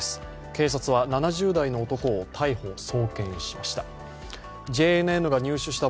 警察は７０代の男を逮捕・送検しました。